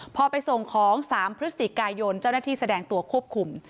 พอไปส่งของ๓พฤศจิกายนเจ้าหน้าที่แสดงตัวควบคุม